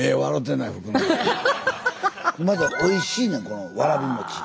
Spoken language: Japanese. おいしいねんこのわらび餅。